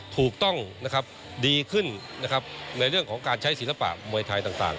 ถูกต้องดีขึ้นในเรื่องของการใช้ศิลปะมวยไทยต่าง